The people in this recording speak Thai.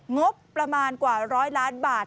งบประมาณกว่า๑๐๐ล้านบาท